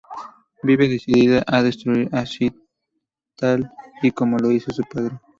Vive decidida a destruir a Sinh tal y como lo hizo su padre.